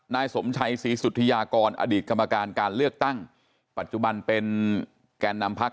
นายสมชัยศรีสุธิยากรอดีตกรรมการการเลือกตั้งปัจจุบันเป็นแก่นำพัก